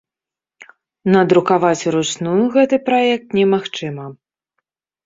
Надрукаваць уручную гэты праект немагчыма.